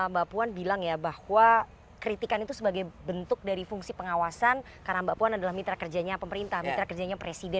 mbak puan bilang ya bahwa kritikan itu sebagai bentuk dari fungsi pengawasan karena mbak puan adalah mitra kerjanya pemerintah mitra kerjanya presiden